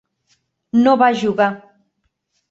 No va jugar.